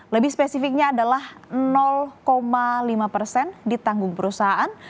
lebih spesifiknya adalah lima persen ditanggung perusahaan